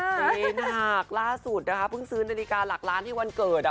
ดีหนักล่าสุดนะคะเพิ่งซื้อนาฬิกาหลักล้านที่วันเกิด